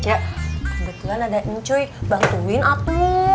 cek kebetulan ada nenek cuy bantuin aku